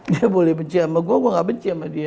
dia boleh benci ama gue gue ga benci ama dia